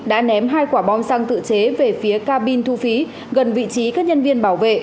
đã ném hai quả bom xăng tự chế về phía cabin thu phí gần vị trí các nhân viên bảo vệ